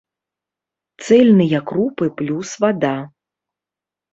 Цэльныя крупы плюс вада.